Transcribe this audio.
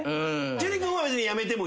樹君は別にやめてもいい？